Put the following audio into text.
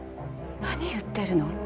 何言ってるの？